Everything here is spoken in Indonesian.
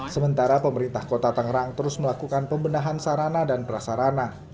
sementara pemerintah kota tangerang terus melakukan pembenahan sarana dan prasarana